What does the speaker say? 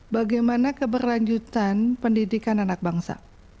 bagaimana keberlanjutan pendidikan anak bangsa